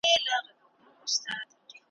غل په غره کي هم ځای نه لري ,